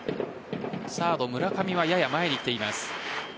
サード・村上はやや前に来ています。